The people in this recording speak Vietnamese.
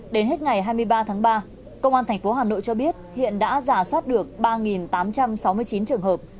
đến hết ngày hai mươi ba tháng ba công an tp hà nội cho biết hiện đã giả soát được ba tám trăm sáu mươi chín trường hợp